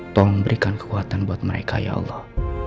tolong berikan kekuatan buat mereka ya allah